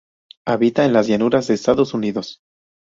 Habita en las llanuras de Estados Unidos.